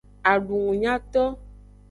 Adungunyato.